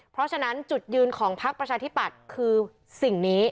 เพราะฉะนั้นจุดยืนของพักประชาธิปัตย์คือสิ่งนี้